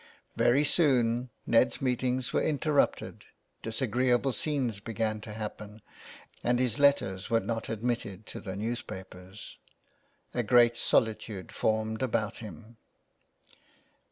Very soon Ned's meetings were interrupted, dis agreeable scenes began to happen, and his letters were not admitted to the newspapers. A great soli tude formed about him.